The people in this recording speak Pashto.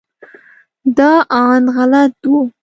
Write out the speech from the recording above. دا اند غلط و.